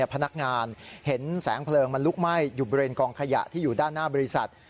พนักงานเห็นแสงเพลิงมันลุกไหม้อยู่บริเวณกองขยะที่อยู่ด้านหน้าบริษัท